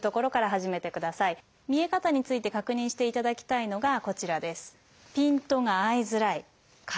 見え方について確認していただきたいのがこちらです。